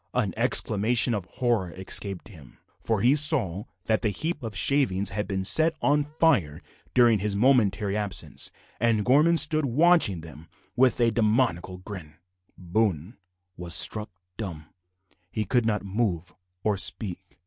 An exclamation of horror escaped him, for he saw that the heap of shavings had been set on fire during his momentary absence, and Gorman stood watching them with a demoniacal grin. Boone was struck dumb. He could not move or speak.